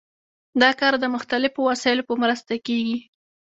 دا کار د مختلفو وسایلو په مرسته کیږي.